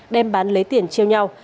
đem bán lấy tiền chiêu nhau